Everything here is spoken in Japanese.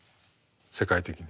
世界的に。